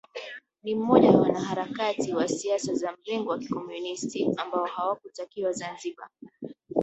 Ni mmoja wa wanaharakati wa siasa za mrengo wa Kikomunisti ambao hawakutakiwa Zanzibar